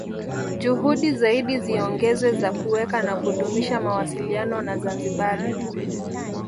Juhudi zaidi ziongezwe za kuweka na kudumisha mawasiliano na Zanzibari